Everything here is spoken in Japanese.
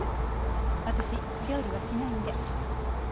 私料理はしないんで。